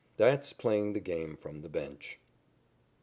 That's playing the game from the bench.